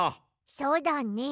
そうだね。